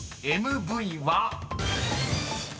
［ＭＶは］